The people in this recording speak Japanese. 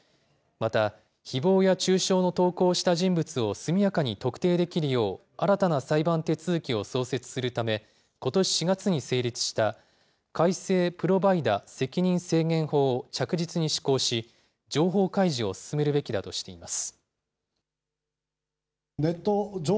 またひぼうや中傷の投稿をした人物を速やかに特定できるよう新たな裁判手続きを創設するため、ことし４月に成立した改正プロバイダ責任制限法を着実に施行し、情報開示を進めるべきだとしています。